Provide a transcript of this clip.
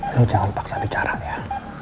ini jangan paksa bicara ya